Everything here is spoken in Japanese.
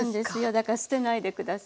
だから捨てないで下さい。